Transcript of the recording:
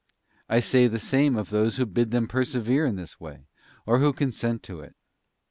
I say the same of those who bid them persevere in this way, or who consent to it.